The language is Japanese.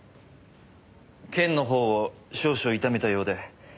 腱の方を少々痛めたようで。